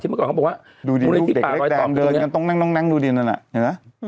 ดูรูดได็ดเด็กแดงเดินกันตรงนั่งนั่งดูดีนั่นเนี่ย